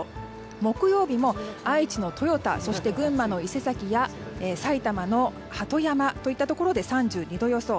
木曜日も愛知の豊田そして群馬の伊勢崎や埼玉の鳩山といったところで３２度予想。